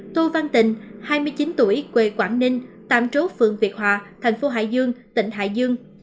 tô văn tình hai mươi chín tuổi quê quảng ninh tạm trú phường việt hòa thành phố hải dương tỉnh hải dương